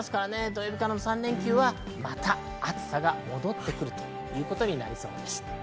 土曜日からの３連休はまた暑さが戻ってくるということになりそうです。